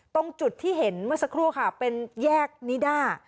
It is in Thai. ตรงจุดที่เห็นเมื่อสักครู่ค่ะเป็นแยกนิด้า